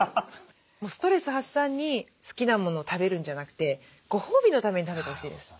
ストレス発散に好きなものを食べるんじゃなくてご褒美のために食べてほしいです。